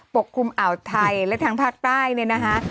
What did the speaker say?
ปกคลุมอ่าวไทยและทางภาคใต้เนี่ยนะคะ